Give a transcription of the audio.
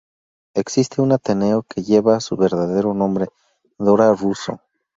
Existe un ateneo que lleva su verdadero nombre "Dora Russo".